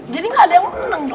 jadi nggak ada yang mau